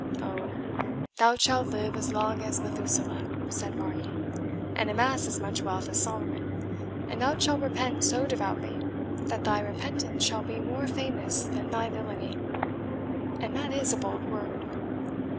"Oh! thou shalt live as long as Methuselah," said Varney, "and amass as much wealth as Solomon; and thou shalt repent so devoutly, that thy repentance shall be more famous than thy villainy and that is a bold word.